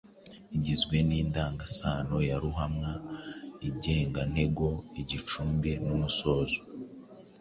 igizwe n’indangasano ya ruhamwa, igenantego, igicumbi n’umusozo.